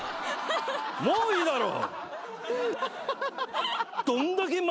もういいだろ！